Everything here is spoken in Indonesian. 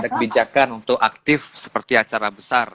ada kebijakan untuk aktif seperti acara besar